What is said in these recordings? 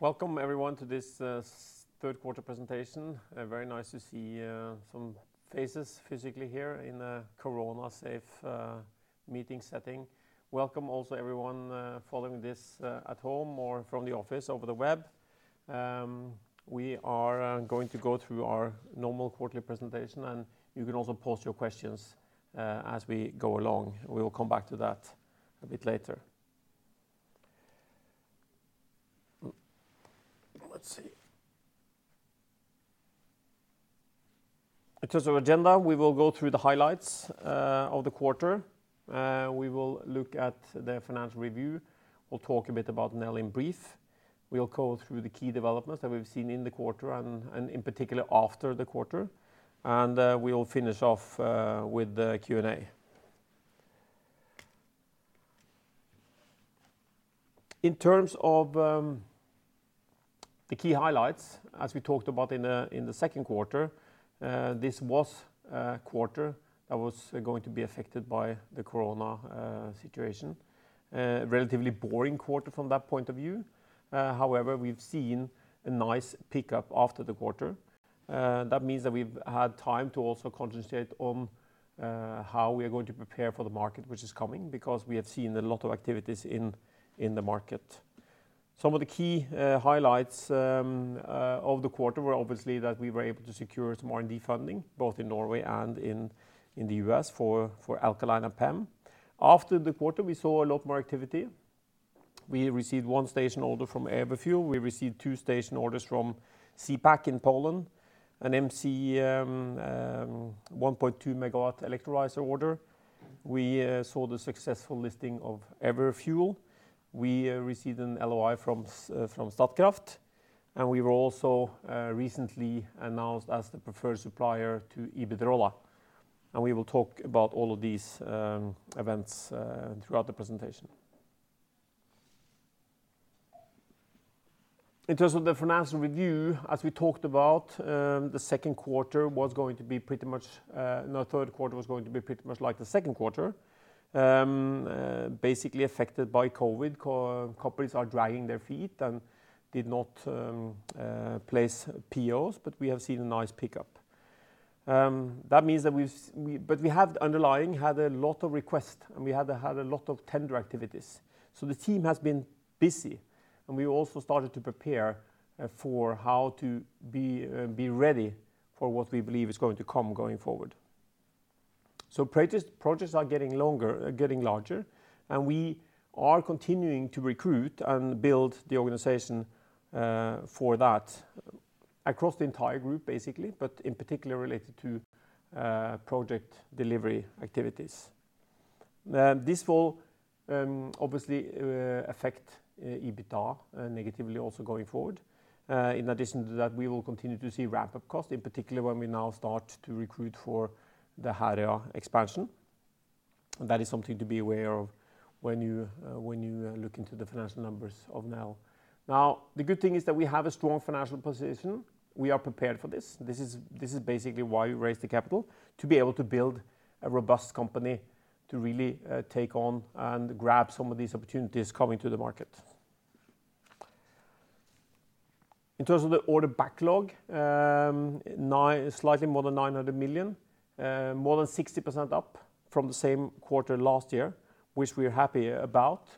Welcome everyone to this third quarter presentation. Very nice to see some faces physically here in a corona-safe meeting setting. Welcome also everyone following this at home or from the office over the web. We are going to go through our normal quarterly presentation, and you can also pose your questions as we go along. We will come back to that a bit later. Let's see. In terms of agenda, we will go through the highlights of the quarter. We will look at the financial review. We'll talk a bit about Nel in brief. We'll go through the key developments that we've seen in the quarter and in particular, after the quarter. We will finish off with the Q&A. In terms of the key highlights, as we talked about in the second quarter, this was a quarter that was going to be affected by the corona situation. A relatively boring quarter from that point of view. We’ve seen a nice pickup after the quarter. That means that we’ve had time to also concentrate on how we are going to prepare for the market, which is coming because we have seen a lot of activities in the market. Some of the key highlights of the quarter were obviously that we were able to secure some R&D funding, both in Norway and in the U.S. for alkaline and PEM. After the quarter, we saw a lot more activity. We received one station order from Everfuel. We received two station orders from ZE PAK in Poland, an MC 1.2 MW electrolyzer order. We saw the successful listing of Everfuel. We received an LOI from Statkraft, and we were also recently announced as the preferred supplier to Iberdrola. We will talk about all of these events throughout the presentation. In terms of the financial review, as we talked about, the third quarter was going to be pretty much like the second quarter. Basically affected by COVID. Companies are dragging their feet and did not place POs, but we have seen a nice pickup. We have underlying had a lot of requests and we have had a lot of tender activities. The team has been busy and we also started to prepare for how to be ready for what we believe is going to come going forward. Projects are getting larger, and we are continuing to recruit and build the organization for that across the entire group, basically. In particular related to project delivery activities. This will obviously affect EBITDA negatively also going forward. In addition to that, we will continue to see ramp-up costs, in particular when we now start to recruit for the Herøya expansion. That is something to be aware of when you look into the financial numbers of Nel. Now, the good thing is that we have a strong financial position. We are prepared for this. This is basically why we raised the capital, to be able to build a robust company to really take on and grab some of these opportunities coming to the market. In terms of the order backlog, slightly more than 900 million. More than 60% up from the same quarter last year, which we are happy about.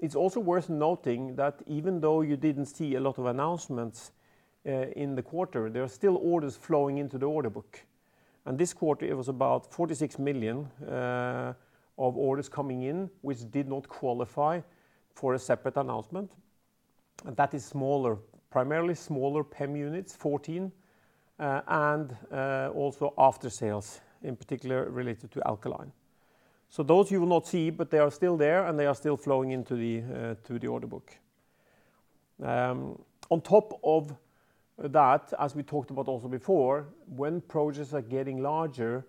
It's also worth noting that even though you didn't see a lot of announcements in the quarter, there are still orders flowing into the order book. This quarter it was about 46 million of orders coming in, which did not qualify for a separate announcement. That is primarily smaller PEM units, 14, and also aftersales, in particular related to alkaline. Those you will not see, but they are still there and they are still flowing into the order book. On top of that, as we talked about also before, when projects are getting larger,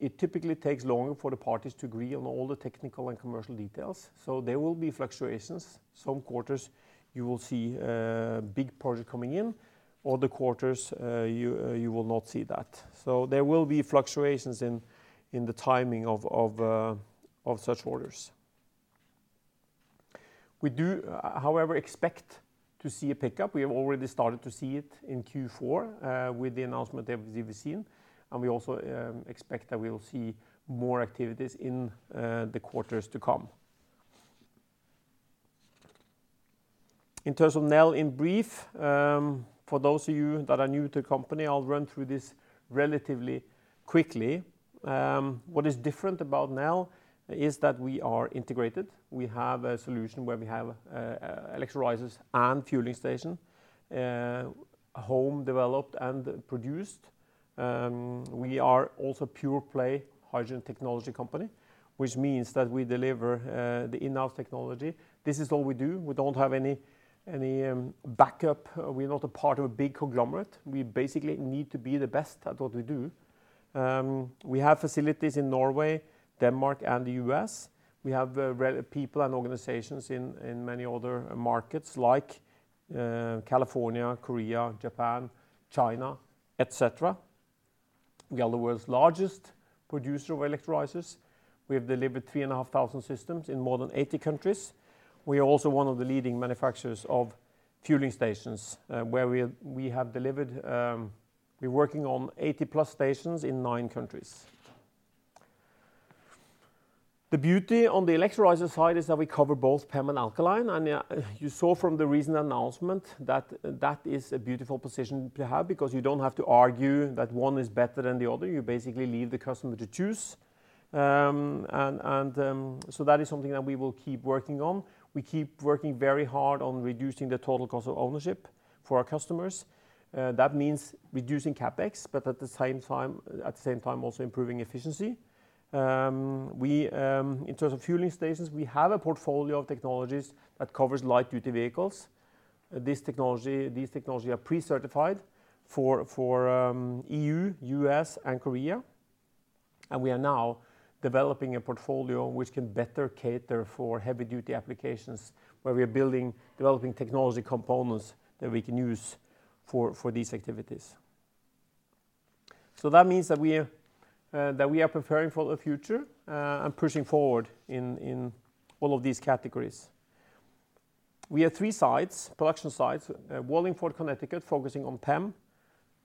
it typically takes longer for the parties to agree on all the technical and commercial details. There will be fluctuations. Some quarters you will see a big project coming in, other quarters you will not see that. There will be fluctuations in the timing of such orders. We do, however, expect to see a pickup. We have already started to see it in Q4 with the announcement of ZE PAK. We also expect that we will see more activities in the quarters to come. In terms of Nel in brief, for those of you that are new to the company, I'll run through this relatively quickly. What is different about Nel is that we are integrated. We have a solution where we have electrolyzers and fueling station, home developed and produced. We are also a pure play hydrogen technology company, which means that we deliver the in-house technology. This is all we do. We don't have any backup. We are not a part of a big conglomerate. We basically need to be the best at what we do. We have facilities in Norway, Denmark, and the U.S. We have people and organizations in many other markets like California, Korea, Japan, China, et cetera. We are the world's largest producer of electrolyzers. We have delivered 3,500 systems in more than 80 countries. We are also one of the leading manufacturers of fueling stations, where we're working on 80 plus stations in nine countries. The beauty on the electrolyzer side is that we cover both PEM and alkaline. You saw from the recent announcement that that is a beautiful position to have because you don't have to argue that one is better than the other. You basically leave the customer to choose. That is something that we will keep working on. We keep working very hard on reducing the total cost of ownership for our customers. That means reducing CapEx, but at the same time also improving efficiency. In terms of fueling stations, we have a portfolio of technologies that covers light-duty vehicles. These technologies are pre-certified for E.U., U.S., and Korea. We are now developing a portfolio which can better cater for heavy-duty applications, where we are developing technology components that we can use for these activities. That means that we are preparing for the future, and pushing forward in all of these categories. We have three production sites. Wallingford, Connecticut, focusing on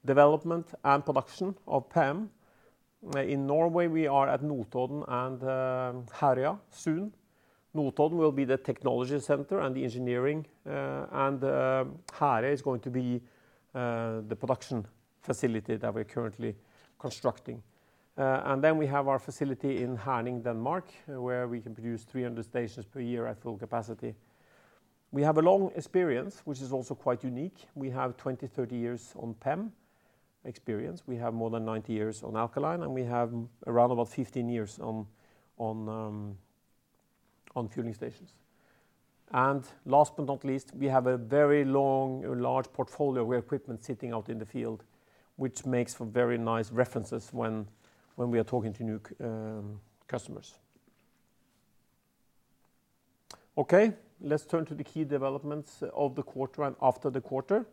development and production of PEM. In Norway, we are at Notodden and Herøya soon. Notodden will be the technology center and the engineering, and Herøya is going to be the production facility that we're currently constructing. We have our facility in Herning, Denmark, where we can produce 300 stations per year at full capacity. We have a long experience, which is also quite unique. We have 20, 30 years on PEM experience. We have more than 90 years on alkaline, and we have around about 15 years on fueling stations. Last but not least, we have a very long, large portfolio where equipment sitting out in the field, which makes for very nice references when we are talking to new customers. Okay, let's turn to the key developments of the quarter and after the quarter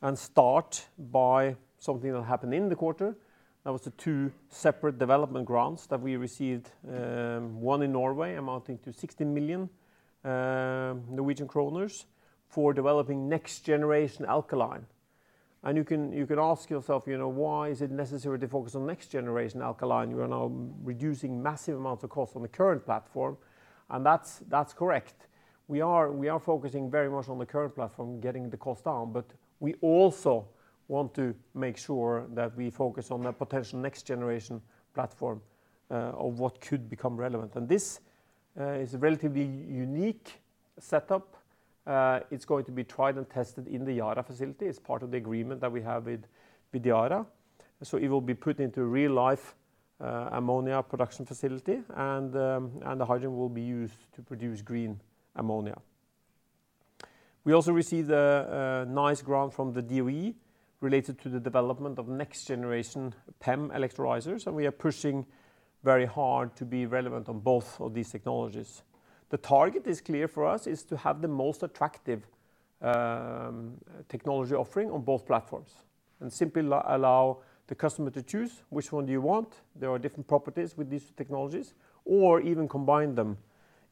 and start by something that happened in the quarter. That was the two separate development grants that we received, one in Norway amounting to 60 million Norwegian kroner for developing next-generation alkaline. You can ask yourself, why is it necessary to focus on next-generation alkaline? You are now reducing massive amounts of cost on the current platform, and that's correct. We are focusing very much on the current platform, getting the cost down, but we also want to make sure that we focus on the potential next-generation platform of what could become relevant. This is a relatively unique setup. It's going to be tried and tested in the Yara facility as part of the agreement that we have with Yara. It will be put into a real-life ammonia production facility, and the hydrogen will be used to produce green ammonia. We also received a nice grant from the DOE related to the development of next-generation PEM electrolyzers, and we are pushing very hard to be relevant on both of these technologies. The target is clear for us, is to have the most attractive technology offering on both platforms and simply allow the customer to choose which one do you want, there are different properties with these technologies, or even combine them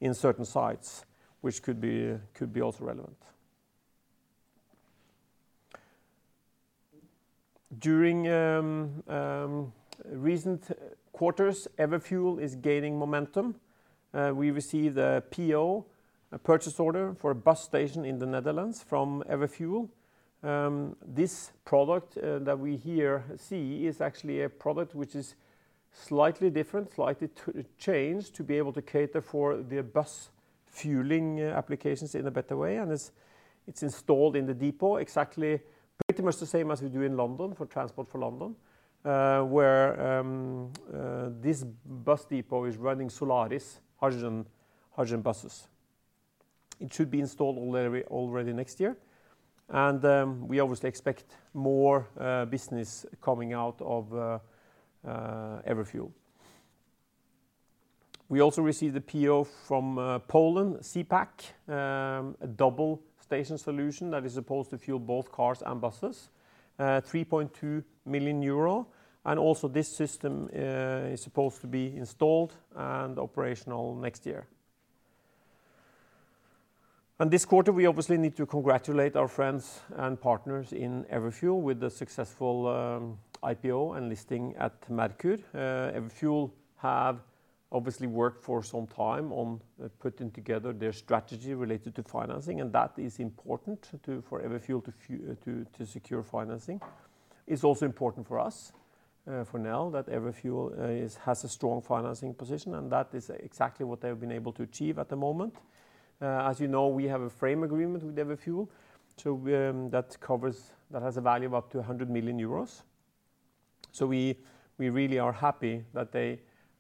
in certain sites, which could be also relevant. During recent quarters, Everfuel is gaining momentum. We received a PO, a purchase order, for a bus station in the Netherlands from Everfuel. This product that we here see is actually a product which is slightly different, slightly changed to be able to cater for the bus fueling applications in a better way. It's installed in the depot exactly pretty much the same as we do in London for Transport for London, where this bus depot is running Solaris hydrogen buses. It should be installed already next year, and we obviously expect more business coming out of Everfuel. We also received a PO from Poland ZE PAK, a double station solution that is supposed to fuel both cars and buses, 3.2 million euro. Also this system is supposed to be installed and operational next year. This quarter, we obviously need to congratulate our friends and partners in Everfuel with the successful IPO and listing at Merkur. Everfuel have obviously worked for some time on putting together their strategy related to financing, that is important for Everfuel to secure financing. It's also important for us, for Nel, that Everfuel has a strong financing position, that is exactly what they have been able to achieve at the moment. As you know, we have a frame agreement with Everfuel that has a value of up to 100 million euros. We really are happy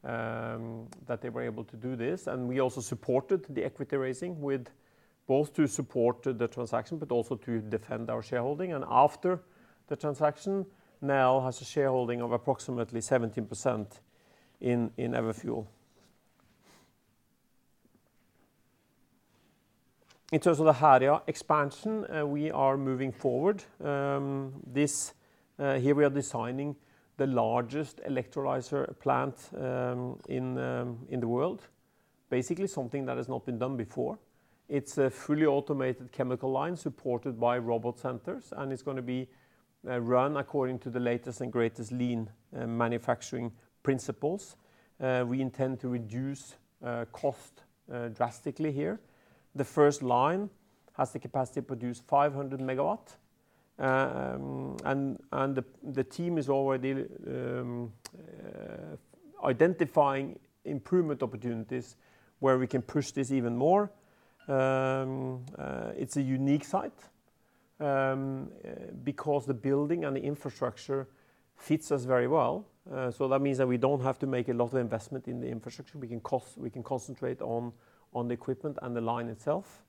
that they were able to do this, and we also supported the equity raising with both to support the transaction, but also to defend our shareholding. After the transaction, Nel has a shareholding of approximately 17% in Everfuel. In terms of the Herøya expansion, we are moving forward. Here we are designing the largest electrolyzer plant in the world. Basically, something that has not been done before. It's a fully automated chemical line supported by robot centers, and it's going to be run according to the latest and greatest lean manufacturing principles. We intend to reduce cost drastically here. The first line has the capacity to produce 500 MW, and the team is already identifying improvement opportunities where we can push this even more. It's a unique site because the building and the infrastructure fits us very well. That means that we don't have to make a lot of investment in the infrastructure. We can concentrate on the equipment and the line itself.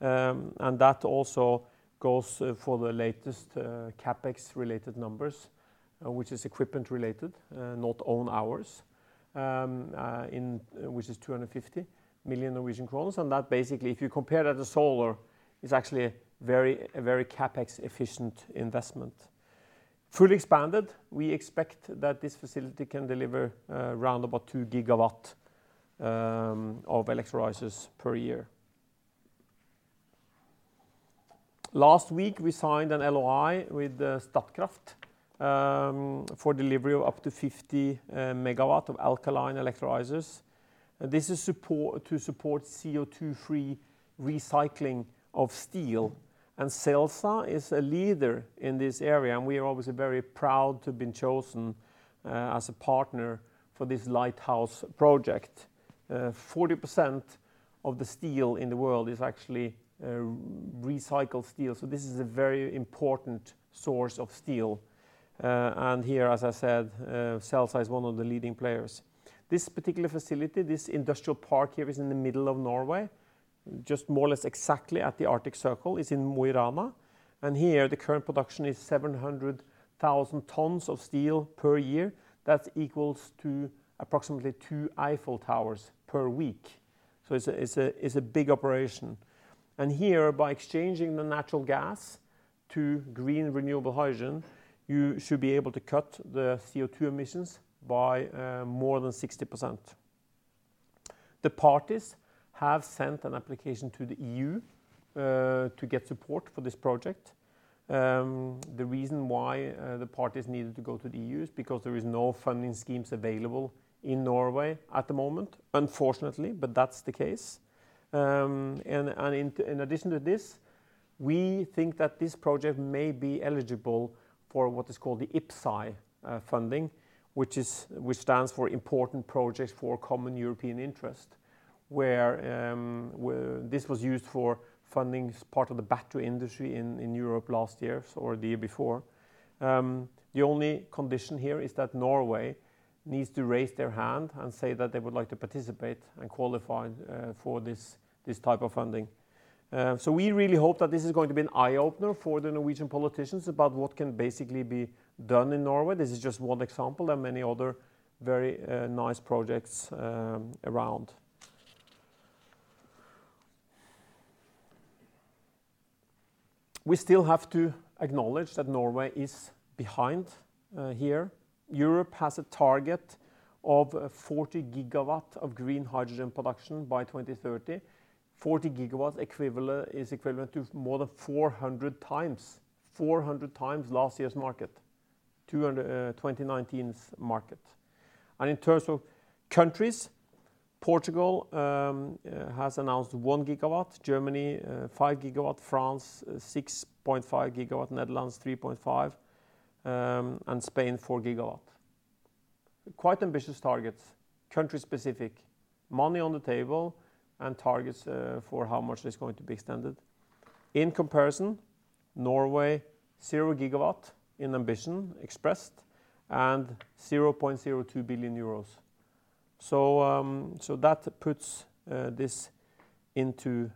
That also goes for the latest CapEx related numbers, which is equipment related, not own hours, which is 250 million. That basically, if you compare that to solar, is actually a very CapEx-efficient investment. Fully expanded, we expect that this facility can deliver around about 2 GW of electrolyzers per year. Last week, we signed an LOI with Statkraft for delivery of up to 50 MW of alkaline electrolyzers. This is to support CO2-free recycling of steel, and Celsa is a leader in this area, and we are obviously very proud to have been chosen as a partner for this lighthouse project. 40% of the steel in the world is actually recycled steel, so this is a very important source of steel. Here, as I said, Celsa is one of the leading players. This particular facility, this industrial park here is in the middle of Norway, just more or less exactly at the Arctic Circle. It's in Mo i Rana. Here, the current production is 700,000 tons of steel per year. That equals to approximately two Eiffel Towers per week. It's a big operation. Here, by exchanging the natural gas to green renewable hydrogen, you should be able to cut the CO2 emissions by more than 60%. The parties have sent an application to the E.U., to get support for this project. The reason why the parties needed to go to the E.U. is because there is no funding schemes available in Norway at the moment, unfortunately, but that's the case. In addition to this, we think that this project may be eligible for what is called the IPCEI funding, which stands for Important Projects of Common European Interest. This was used for funding part of the battery industry in Europe last year or the year before. The only condition here is that Norway needs to raise their hand and say that they would like to participate and qualify for this type of funding. We really hope that this is going to be an eye-opener for the Norwegian politicians about what can basically be done in Norway. This is just one example. There are many other very nice projects around. We still have to acknowledge that Norway is behind here. Europe has a target of 40 GW of green hydrogen production by 2030. 40 GW is equivalent to more than 400 times last year's market, 2019's market. In terms of countries, Portugal has announced 1 GW, Germany 5 GW, France 6.5 GW, Netherlands 3.5, and Spain 4 GW. Quite ambitious targets. Country specific. Money on the table and targets for how much is going to be extended. In comparison, Norway, 0 GW in ambition expressed and 0.02 billion euros. That puts this into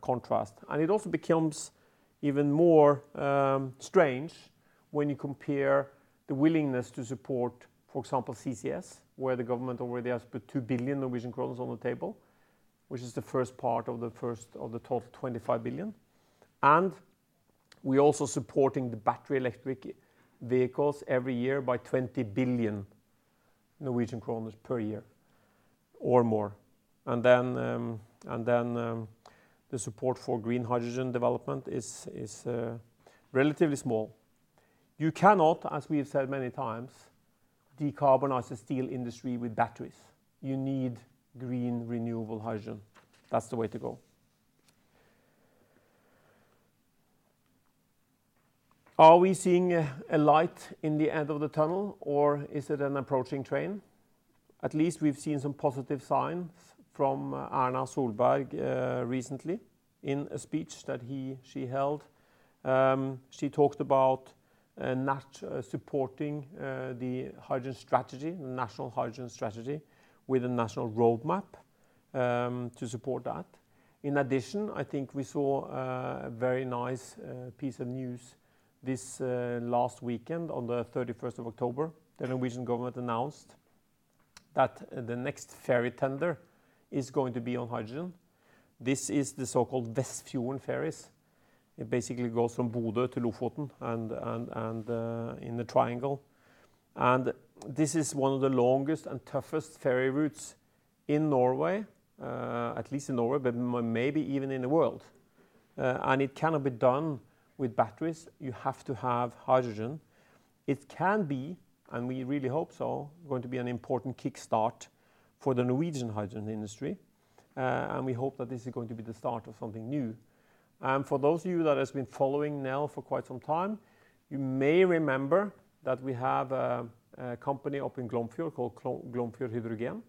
contrast, and it also becomes even more strange when you compare the willingness to support, for example, CCS, where the government already has put 2 billion Norwegian kroner on the table, which is the first part of the total 25 billion. We're also supporting the battery electric vehicles every year by 20 billion Norwegian kroner per year or more. The support for green hydrogen development is relatively small. You cannot, as we have said many times, decarbonize the steel industry with batteries. You need green renewable hydrogen. That's the way to go. Are we seeing a light in the end of the tunnel, or is it an approaching train? At least we've seen some positive signs from Erna Solberg recently in a speech that she held. She talked about supporting the national hydrogen strategy with a national roadmap to support that. I think we saw a very nice piece of news this last weekend on the October 31st. The Norwegian government announced that the next ferry tender is going to be on hydrogen. This is the so-called Vestfjord ferries. It basically goes from Bodø to Lofoten and in the triangle. This is one of the longest and toughest ferry routes in Norway, at least in Norway, but maybe even in the world. It cannot be done with batteries. You have to have hydrogen. It can be, and we really hope so, going to be an important kickstart for the Norwegian hydrogen industry, and we hope that this is going to be the start of something new. For those of you that has been following Nel for quite some time, you may remember that we have a company up in Glomfjord called Glomfjord Hydrogen.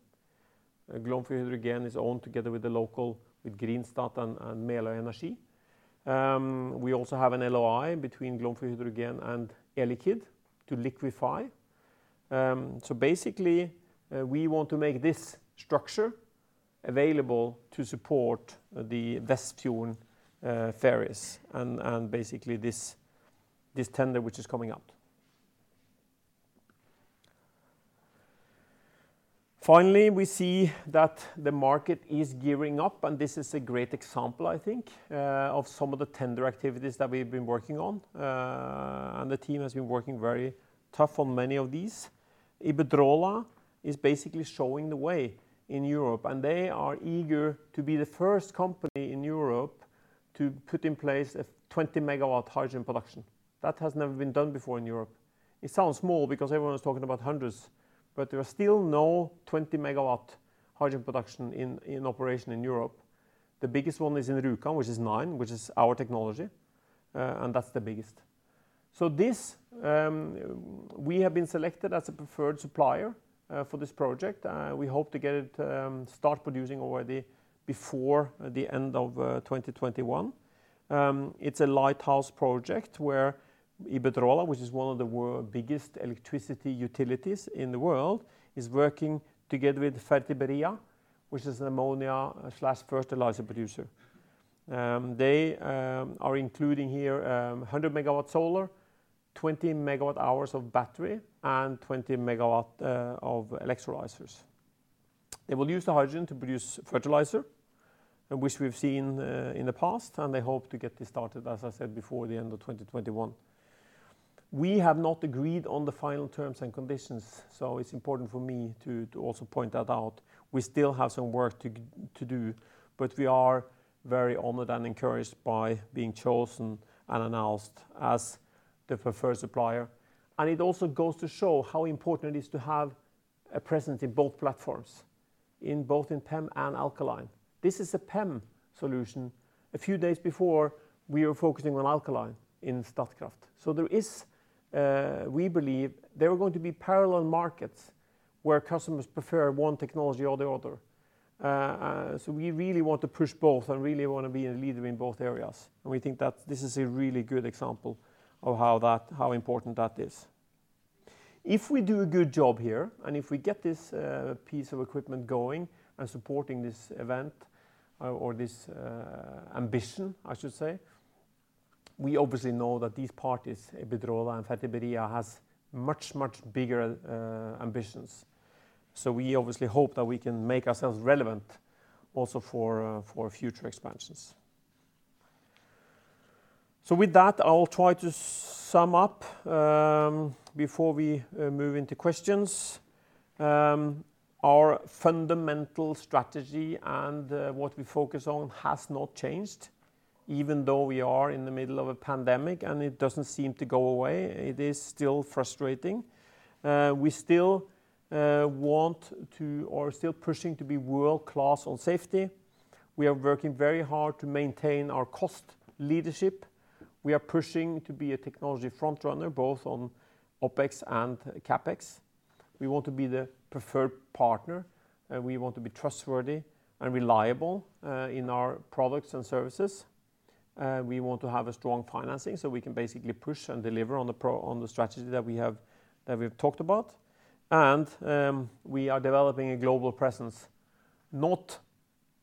Glomfjord Hydrogen is owned together with Greenstat and Meløy Energi. We also have an LOI between Glomfjord Hydrogen and Air Liquide to liquify. Basically, we want to make this structure available to support the Vestfjord ferries and basically this tender which is coming up. Finally, we see that the market is gearing up, and this is a great example, I think, of some of the tender activities that we've been working on. The team has been working very tough on many of these. Iberdrola is basically showing the way in Europe, and they are eager to be the first company in Europe to put in place a 20 MW hydrogen production. That has never been done before in Europe. It sounds small because everyone's talking about hundreds, but there are still no 20 MW hydrogen production in operation in Europe. The biggest one is in Rjukan, which is nine, which is our technology, and that's the biggest. This, we have been selected as a preferred supplier for this project. We hope to get it start producing already before the end of 2021. It's a lighthouse project where Iberdrola, which is one of the world biggest electricity utilities in the world, is working together with Fertiberia, which is an ammonia/fertilizer producer. They are including here 100 MW solar, 20 MWh of battery, and 20 MW of electrolyzers. They will use the hydrogen to produce fertilizer, which we've seen in the past, and they hope to get this started, as I said, before the end of 2021. We have not agreed on the final terms and conditions, so it's important for me to also point that out. We still have some work to do, but we are very honored and encouraged by being chosen and announced as the preferred supplier. It also goes to show how important it is to have a presence in both platforms, in both in PEM and alkaline. This is a PEM solution. A few days before, we were focusing on alkaline in Statkraft. There is, we believe, there are going to be parallel markets where customers prefer one technology or the other. We really want to push both and really want to be a leader in both areas. We think that this is a really good example of how important that is. If we do a good job here, and if we get this piece of equipment going and supporting this event or this ambition, I should say, we obviously know that these parties, Iberdrola and Fertiberia, has much, much bigger ambitions. We obviously hope that we can make ourselves relevant also for future expansions. With that, I'll try to sum up before we move into questions. Our fundamental strategy and what we focus on has not changed, even though we are in the middle of a pandemic, and it doesn't seem to go away. It is still frustrating. We still want to, or are still pushing to be world-class on safety. We are working very hard to maintain our cost leadership. We are pushing to be a technology front-runner, both on OpEx and CapEx. We want to be the preferred partner. We want to be trustworthy and reliable in our products and services. We want to have a strong financing so we can basically push and deliver on the strategy that we've talked about. We are developing a global presence, not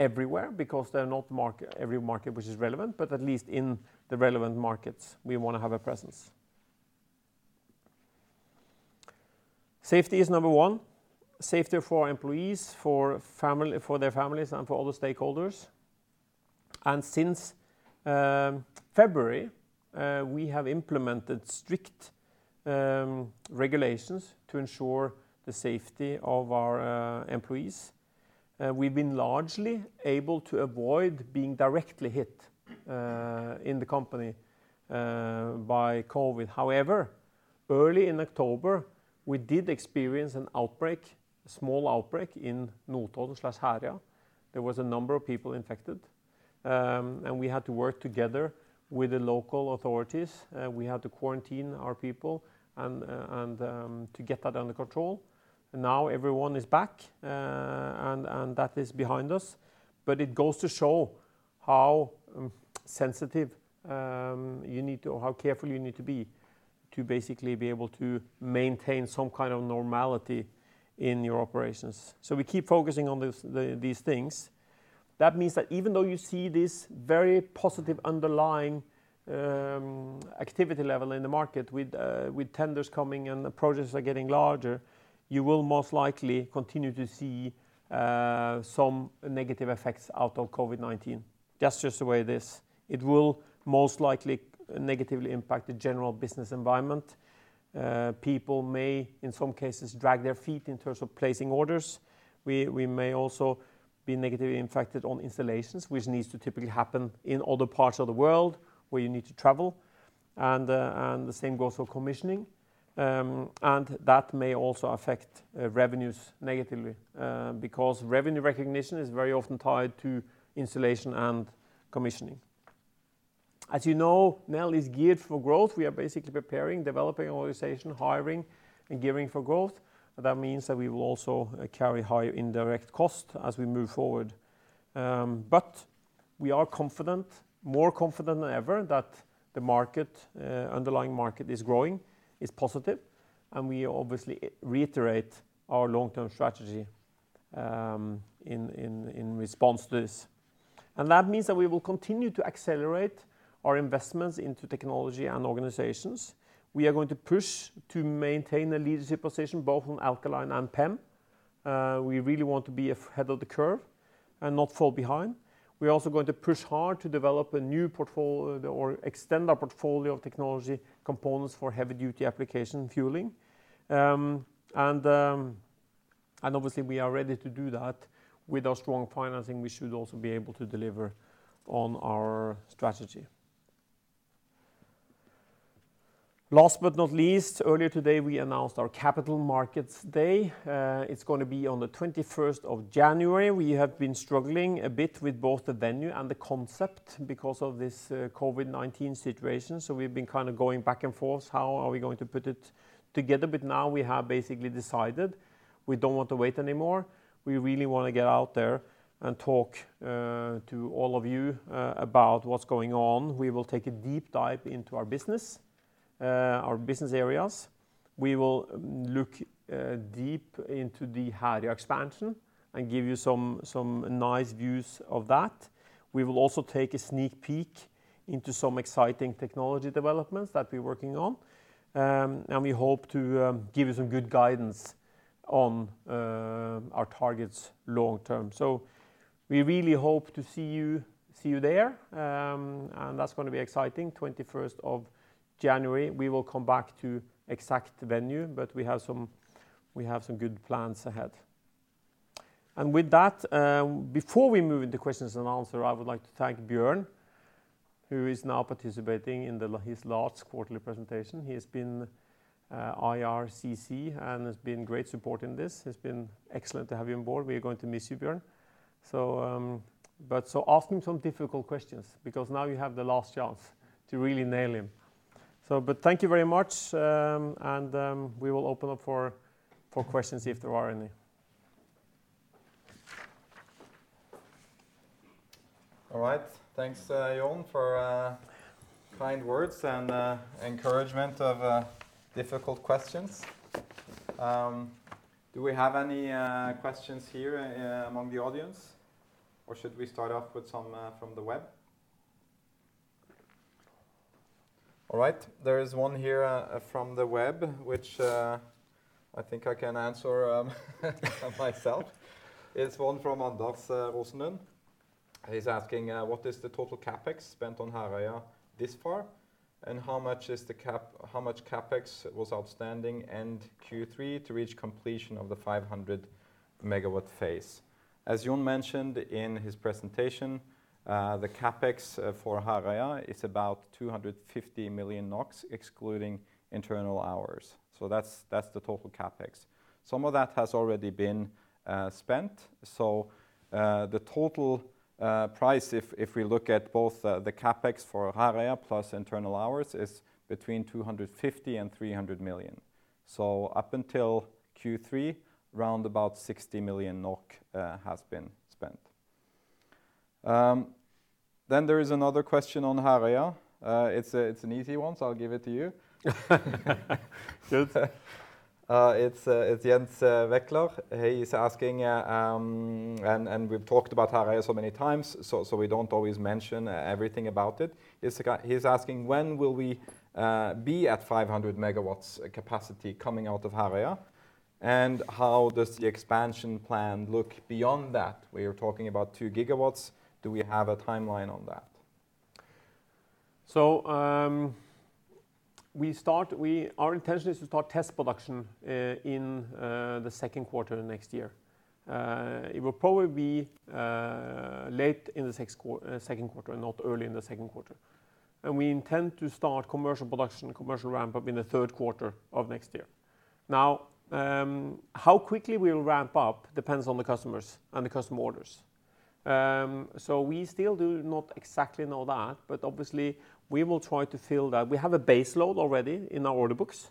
everywhere because they're not every market which is relevant, but at least in the relevant markets, we want to have a presence. Safety is number 1, safety for employees, for their families, and for all the stakeholders. Since February, we have implemented strict regulations to ensure the safety of our employees. We've been largely able to avoid being directly hit in the company by COVID. However, early in October, we did experience an outbreak, a small outbreak in Notodden/Herøya. There was a number of people infected, and we had to work together with the local authorities. We had to quarantine our people and to get that under control. Now everyone is back, and that is behind us. It goes to show how sensitive you need to, or how careful you need to be to basically be able to maintain some kind of normality in your operations. We keep focusing on these things. That means that even though you see this very positive underlying activity level in the market with tenders coming and the projects are getting larger, you will most likely continue to see some negative effects out of COVID-19. That's just the way it is. It will most likely negatively impact the general business environment. People may, in some cases, drag their feet in terms of placing orders. We may also be negatively impacted on installations, which needs to typically happen in other parts of the world where you need to travel, and the same goes for commissioning. And that may also affect revenues negatively, because revenue recognition is very often tied to installation and commissioning. As you know, Nel is geared for growth. We are basically preparing, developing organization, hiring, and gearing for growth. That means that we will also carry higher indirect cost as we move forward. We are confident, more confident than ever, that the underlying market is growing, is positive, and we obviously reiterate our long-term strategy in response to this. That means that we will continue to accelerate our investments into technology and organizations. We are going to push to maintain a leadership position both on alkaline and PEM. We really want to be ahead of the curve and not fall behind. We are also going to push hard to develop a new portfolio or extend our portfolio of technology components for heavy-duty application fueling. Obviously, we are ready to do that. With our strong financing, we should also be able to deliver on our strategy. Last but not least, earlier today, we announced our Capital Markets Day. It's going to be on the January 21st. We have been struggling a bit with both the venue and the concept because of this COVID-19 situation, so we've been going back and forth, how are we going to put it together? Now we have basically decided we don't want to wait anymore. We really want to get out there and talk to all of you about what's going on. We will take a deep dive into our business areas. We will look deep into the Herøya expansion and give you some nice views of that. We will also take a sneak peek into some exciting technology developments that we're working on, and we hope to give you some good guidance on our targets long term. We really hope to see you there. That's going to be exciting, of January 21st. We will come back to exact venue, but we have some good plans ahead. With that, before we move into questions and answer, I would like to thank Bjørn, who is now participating in his last quarterly presentation. He has been IR and has been great support in this. It's been excellent to have you on board. We are going to miss you, Bjørn. Ask him some difficult questions because now you have the last chance to really nail him. Thank you very much, and we will open up for questions if there are any. All right. Thanks, Jon, for kind words and encouragement of difficult questions. Do we have any questions here among the audience, or should we start off with some from the web? There is one here from the web, which I think I can answer myself. It's one from Anders Rosenlund. He's asking, what is the total CapEx spent on Herøya this far, and how much CapEx was outstanding in Q3 to reach completion of the 500 MW phase? As Jon mentioned in his presentation, the CapEx for Herøya is about 250 million NOK excluding internal hours. That's the total CapEx. Some of that has already been spent. The total price, if we look at both the CapEx for Herøya plus internal hours, is between 250 million and 300 million. Up until Q3, around about 60 million NOK has been spent. There is another question on Herøya. It's an easy one, so I'll give it to you. Good. It's Jens Wechler. He is asking, and we've talked about Herøya so many times, so we don't always mention everything about it. He's asking, when will we be at 500 MW capacity coming out of Herøya, and how does the expansion plan look beyond that? We are talking about 2 GW. Do we have a timeline on that? Our intention is to start test production in the second quarter of next year. It will probably be late in the second quarter and not early in the second quarter. We intend to start commercial production, commercial ramp-up in the third quarter of next year. Now, how quickly we will ramp up depends on the customers and the customer orders. We still do not exactly know that, but obviously we will try to fill that. We have a base load already in our order books,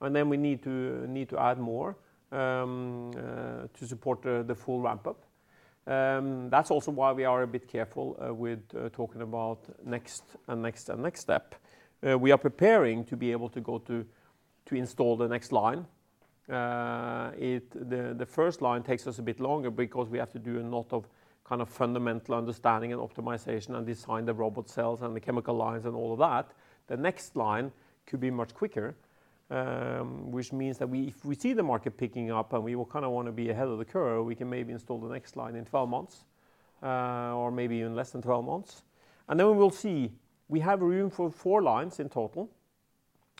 and then we need to add more to support the full ramp-up. That's also why we are a bit careful with talking about next and next and next step. We are preparing to be able to install the next line. The first line takes us a bit longer because we have to do a lot of fundamental understanding and optimization and design the robot cells and the chemical lines and all of that. The next line could be much quicker, which means that if we see the market picking up and we want to be ahead of the curve, we can maybe install the next line in 12 months, or maybe in less than 12 months. We will see. We have room for four lines in total.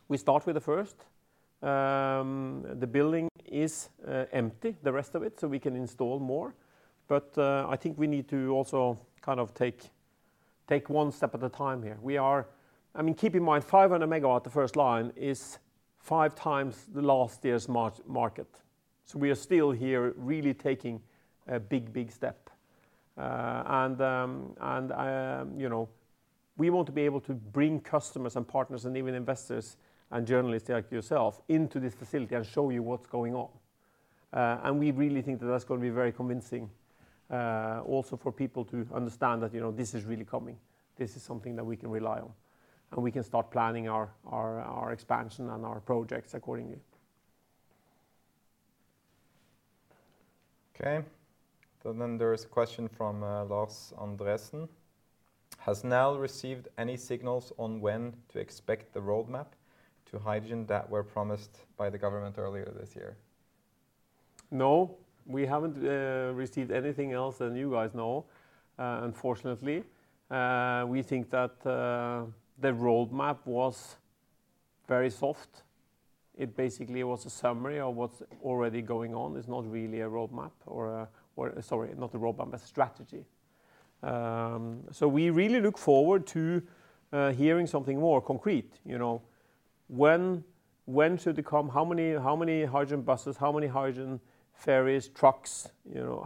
We start with the first. The building is empty, the rest of it. We can install more. I think we need to also take one step at a time here. Keep in mind, 500 MW, the first line, is five times the last year's market. We are still here, really taking a big step. We want to be able to bring customers and partners and even investors and journalists like yourself into this facility and show you what's going on. We really think that that's going to be very convincing also for people to understand that this is really coming. This is something that we can rely on, and we can start planning our expansion and our projects accordingly. Okay. There is a question from Lars Andresen. Has Nel received any signals on when to expect the roadmap to hydrogen that were promised by the government earlier this year? No, we haven't received anything else than you guys know, unfortunately. We think that the roadmap was very soft. It basically was a summary of what's already going on, is not really a strategy. We really look forward to hearing something more concrete. When should it come? How many hydrogen buses? How many hydrogen ferries, trucks?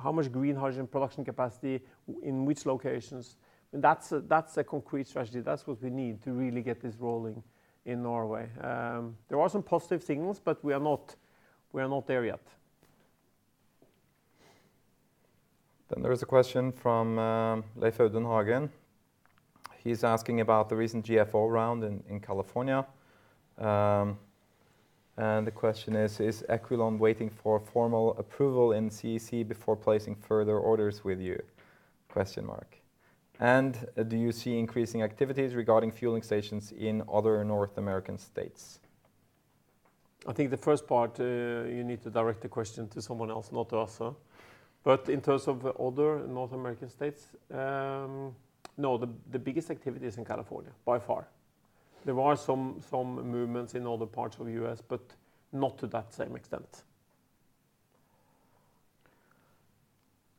How much green hydrogen production capacity in which locations? That's a concrete strategy. That's what we need to really get this rolling in Norway. There are some positive signals, but we are not there yet. There is a question from Leif Audun Hagen. He's asking about the recent GFO round in California. The question is: Is Equinor waiting for formal approval in CEC before placing further orders with you? Do you see increasing activities regarding fueling stations in other North American states? I think the first part, you need to direct the question to someone else, not to us. In terms of other North American states, no. The biggest activity is in California, by far. There are some movements in other parts of the U.S., but not to that same extent.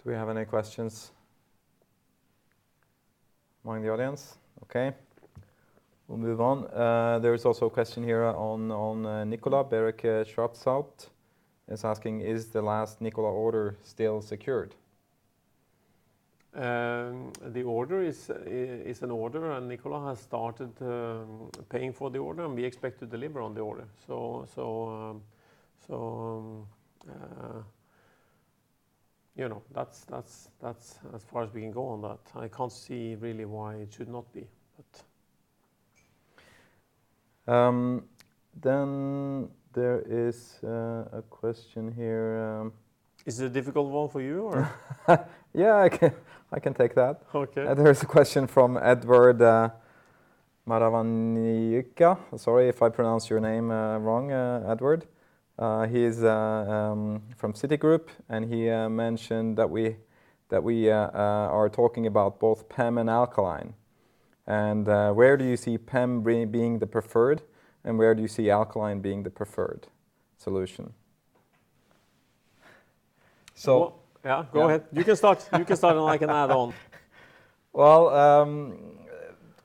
Do we have any questions among the audience? Okay. We'll move on. There is also a question here on Nikola. Berenberg analyst is asking, is the last Nikola order still secured? The order is an order, and Nikola has started paying for the order, and we expect to deliver on the order. That's as far as we can go on that. I can't see really why it should not be. There is a question here. Is it a difficult one for you, or? Yeah, I can take that. Okay. There is a question from Edward Maravanyuka. Sorry if I pronounce your name wrong, Edward. He is from Citigroup. He mentioned that we are talking about both PEM and alkaline. Where do you see PEM being the preferred, and where do you see alkaline being the preferred solution? So- Yeah, go ahead. You can start, and I can add on. Well,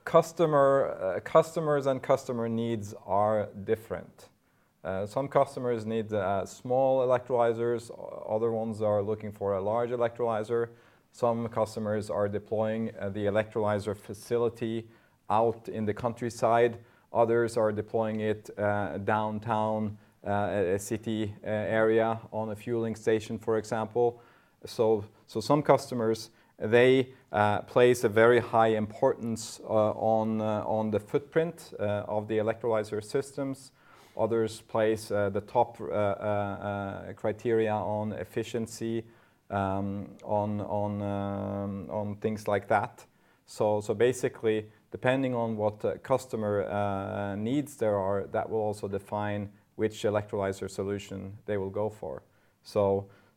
customers and customer needs are different. Some customers need small electrolysers, other ones are looking for a large electrolyser. Some customers are deploying the electrolyser facility out in the countryside. Others are deploying it downtown, a city area on a fueling station, for example. Some customers, they place a very high importance on the footprint of the electrolyser systems. Others place the top criteria on efficiency, on things like that. Basically, depending on what customer needs there are, that will also define which electrolyser solution they will go for.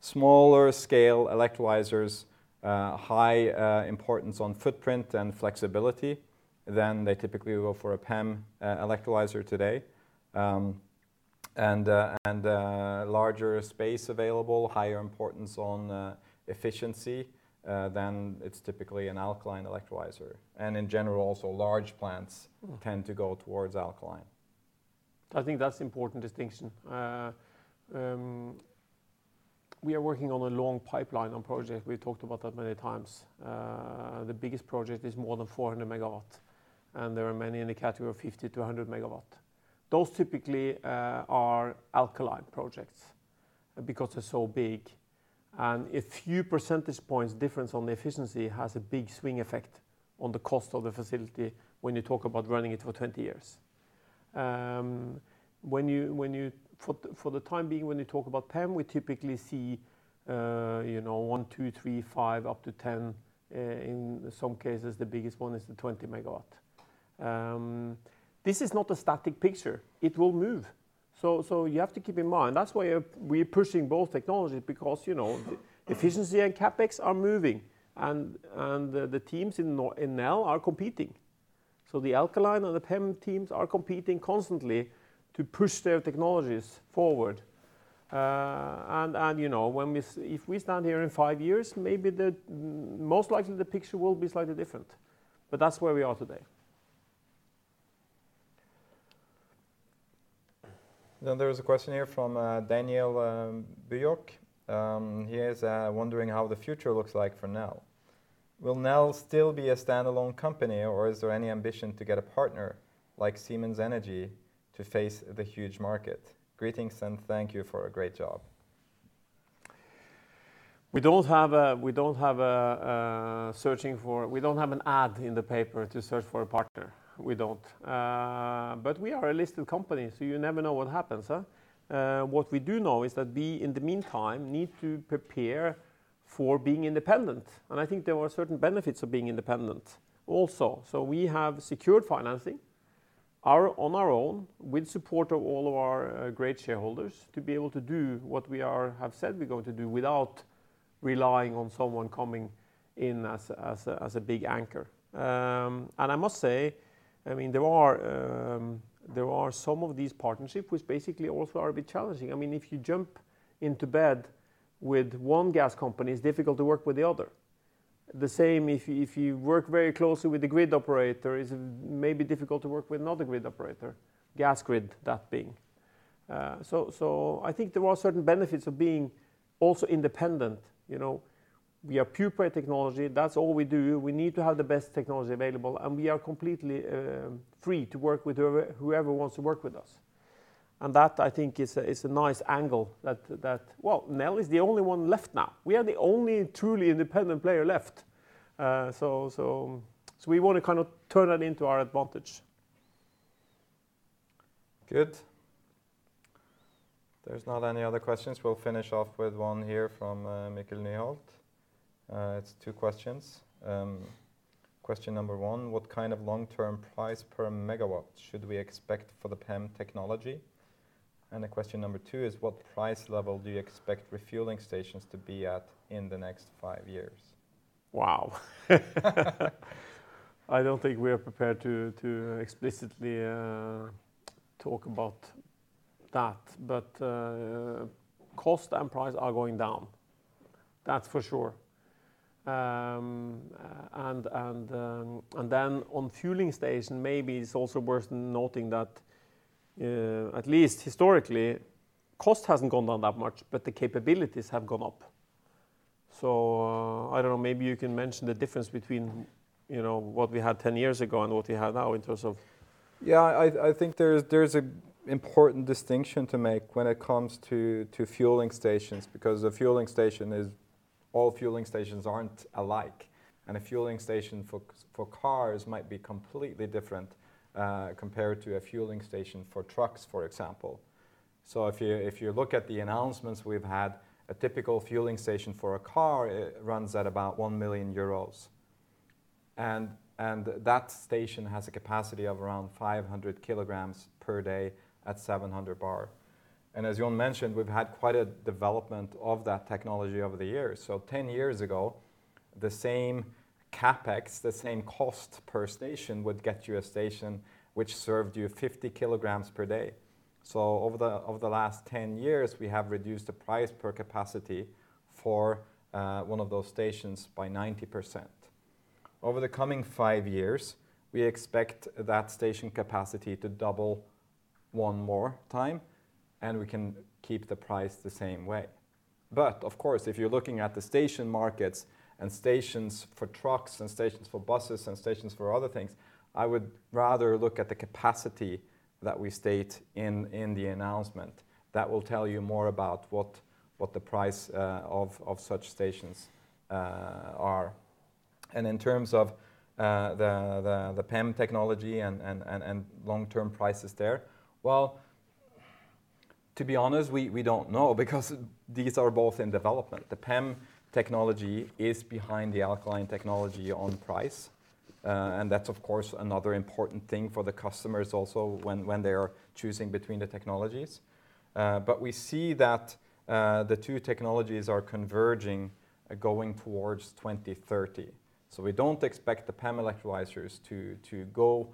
Smaller scale electrolysers, high importance on footprint and flexibility, then they typically go for a PEM electrolyser today. Larger space available, higher importance on efficiency, then it's typically an alkaline electrolyser. In general, also large plants tend to go towards alkaline. I think that's an important distinction. We are working on a long pipeline on project. We talked about that many times. The biggest project is more than 400 MW, and there are many in the category of 50 to 100 MW. Those typically are alkaline projects because they're so big. A few percentage points difference on the efficiency has a big swing effect on the cost of the facility when you talk about running it for 20 years. For the time being, when you talk about PEM, we typically see 1, 2, 3, 4, up to 10. In some cases, the biggest one is the 20 megawatt. This is not a static picture. It will move. You have to keep in mind, that's why we're pushing both technologies because efficiency and CapEx are moving and the teams in Nel are competing. The alkaline and the PEM teams are competing constantly to push their technologies forward. If we stand here in five years, most likely the picture will be slightly different, but that's where we are today. There is a question here from Daniel Stenslet. He is wondering how the future looks like for Nel. Will Nel still be a standalone company or is there any ambition to get a partner like Siemens Energy to face the huge market? Greetings and thank you for a great job. We don't have an ad in the paper to search for a partner. We don't. We are a listed company. You never know what happens, huh? What we do know is that we, in the meantime, need to prepare for being independent. I think there are certain benefits of being independent also. We have secured financing on our own with support of all of our great shareholders to be able to do what we have said we're going to do without relying on someone coming in as a big anchor. I must say, there are some of these partnership which basically also are a bit challenging. If you jump into bed with one gas company, it's difficult to work with the other. The same if you work very closely with the grid operator, it's maybe difficult to work with another grid operator, Gasgrid, that being. I think there are certain benefits of being also independent. We are pure play technology. That's all we do. We need to have the best technology available, and we are completely free to work with whoever wants to work with us. That I think is a nice angle. Well, Nel is the only one left now. We are the only truly independent player left. We want to kind of turn that into our advantage. Good. There is not any other questions. We will finish off with one here from Mikkel Nyholt. It is two questions. Question number 1, what kind of long-term price per megawatt should we expect for the PEM technology? The question number 2 is what price level do you expect refueling stations to be at in the next five years? Wow. I don't think we are prepared to explicitly talk about that, but cost and price are going down, that's for sure. On fueling station, maybe it's also worth noting that, at least historically, cost hasn't gone down that much, but the capabilities have gone up. I don't know, maybe you can mention the difference between what we had 10 years ago and what we have now in terms of. I think there's an important distinction to make when it comes to fueling stations because all fueling stations aren't alike, and a fueling station for cars might be completely different compared to a fueling station for trucks, for example. If you look at the announcements we've had, a typical fueling station for a car runs at about 1 million euros, and that station has a capacity of around 500 kilograms per day at 700 bar. As you mentioned, we've had quite a development of that technology over the years. 10 years ago, the same CapEx, the same cost per station would get you a station which served you 50 kilograms per day. Over the last 10 years, we have reduced the price per capacity for one of those stations by 90%. Over the coming five years, we expect that station capacity to double one more time, and we can keep the price the same way. Of course, if you're looking at the station markets and stations for trucks and stations for buses and stations for other things, I would rather look at the capacity that we state in the announcement. That will tell you more about what the price of such stations are. In terms of the PEM technology and long-term prices there, well, to be honest, we don't know because these are both in development. The PEM technology is behind the alkaline technology on price. That's of course another important thing for the customers also when they are choosing between the technologies. We see that the two technologies are converging going towards 2030. We don't expect the PEM electrolysers to go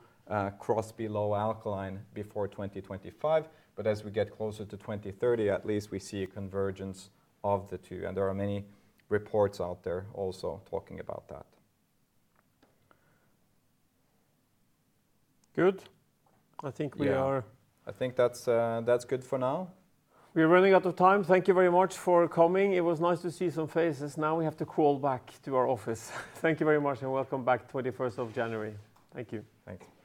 cross below alkaline before 2025. But as we get closer to 2030, at least we see a convergence of the two, and there are many reports out there also talking about that. Good. Yeah. I think that's good for now. We are running out of time. Thank you very much for coming. It was nice to see some faces. Now we have to crawl back to our office. Thank you very much and welcome back of January 21st. Thank you. Thank you.